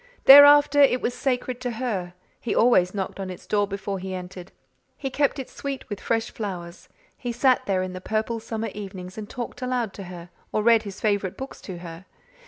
Thereafter it was sacred to her; he always knocked on its door before he entered; he kept it sweet with fresh flowers; he sat there in the purple summer evenings and talked aloud to her or read his favourite books to her.